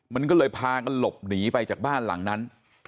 มันก็เลยพากันหลบหนีไปจากบ้านหลังนั้น